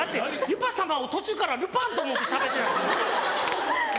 ユパ様を途中からルパンと思ってしゃべってたんですよ。